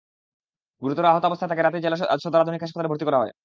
গুরুতর আহতাবস্থায় তাঁকে রাতেই জেলা সদর আধুনিক হাসপাতালে ভর্তি করা হয়।